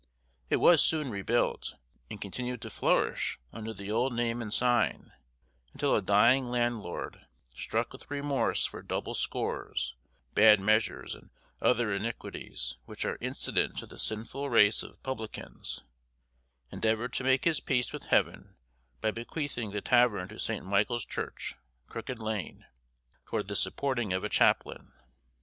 It was soon rebuilt, and continued to flourish under the old name and sign, until a dying landlord, struck with remorse for double scores, bad measures, and other iniquities which are incident to the sinful race of publicans, endeavored to make his peace with Heaven by bequeathing the tavern to St. Michael's Church, Crooked Lane, toward the supporting of a chaplain.